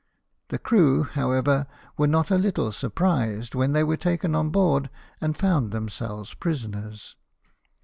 The crew, however, were not a little surprised when they were taken on board, and found them selves prisoners.